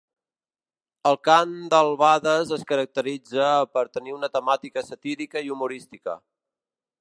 El cant d'albades es caracteritza per tenir una temàtica satírica i humorística.